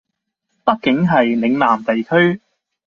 畢竟係嶺南地區